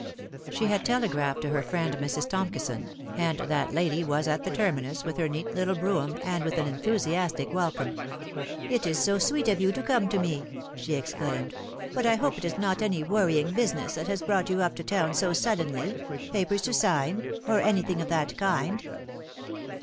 She had telegraphed to her friend Mrs. Tomkison, and that lady was at the terminus, with her neat little brougham, and with an enthusiastic welcome. " It is so sweet of you to come to me !" she exclaimed ;" but I hope it is not any worrying business that has brought you up to town so suddenly papers to sign, or anything of that kind."